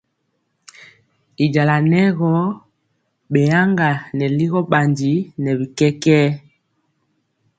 Y jala nɛ gɔ beyɛga nɛ ligɔ bandi nɛ bi kɛkɛɛ.